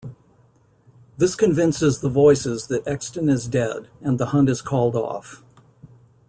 This convinces the Voices that Exton is dead, and the hunt is called off.